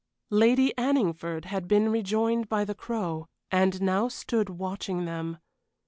Lady Anningford had been rejoined by the Crow, and now stood watching them.